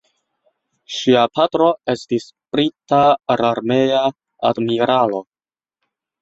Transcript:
Ŝia patro estis brita mararmea admiralo.